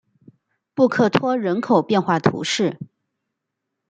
布克托人口变化图示